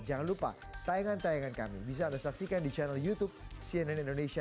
jangan lupa tayangan tayangan kami bisa anda saksikan di channel youtube cnn indonesia